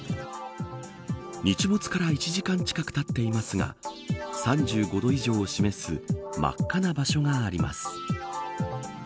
日没から１時間近くたっていますが３５度以上を示す真っ赤な場所があります。